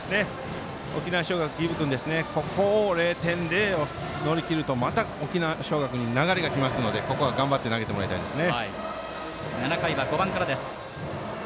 沖縄尚学、儀部君ここを０点で乗り切ると、また沖縄尚学に流れがきますので、ここは頑張って投げてほしいです。